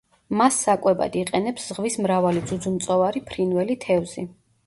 მას საკვებად იყენებს ზღვის მრავალი ძუძუმწოვარი, ფრინველი, თევზი.